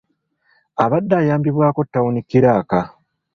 Abadde ayambibwako ttawuni kkiraaka.